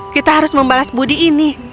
kita harus membalas budi ini